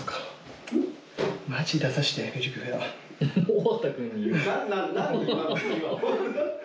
大畠君に言うの？